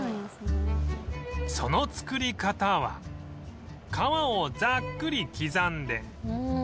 その作り方は皮をざっくり刻んで